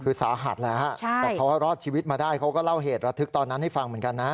คือสาหัสแล้วฮะแต่เขารอดชีวิตมาได้เขาก็เล่าเหตุระทึกตอนนั้นให้ฟังเหมือนกันนะ